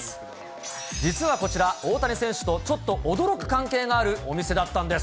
実はこちら、大谷選手とのちょっと驚く関係があるお店だったんです。